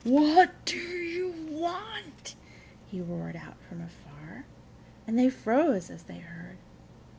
"What do you want?" he roared out from afar, and they froze as they heard.